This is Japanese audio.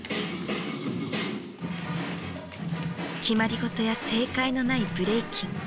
決まり事や正解のないブレイキン。